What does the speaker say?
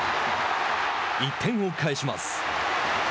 １点を返します。